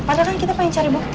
padahal kan kita pengen cari bukti